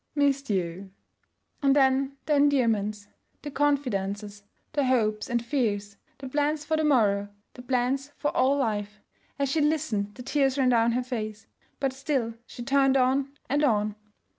'Missed you!' And then the endearments, the confidences, the hopes and fears, the plans for the morrow, the plans for all life. As she listened, the tears ran down her face, but still she turned on and on.